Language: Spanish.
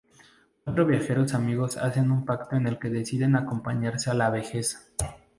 Cuatro viejos amigos hacen un pacto en el que deciden acompañarse en la vejez.